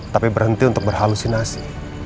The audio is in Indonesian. tapi berhenti untuk berhalusinasi